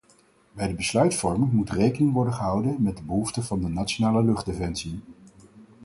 Bij de besluitvorming moet rekening worden gehouden met de behoeften van de nationale luchtdefensie.